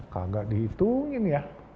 kagak dihitungin ya